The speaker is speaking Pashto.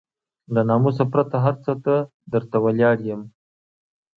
له ناموسه پرته هر څه ته درته ولاړ يم.